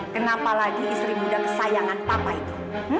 kenapa lagi istri muda kesayangan papa itu